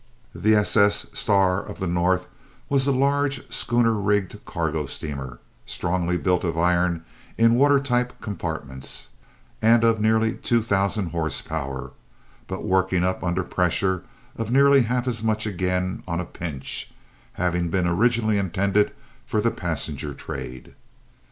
The SS Star of the North was a large schooner rigged cargo steamer, strongly built of iron in watertight compartments, and of nearly two thousand horsepower, but working up, under pressure, of nearly half as much again on a pinch, having been originally intended for the passenger trade.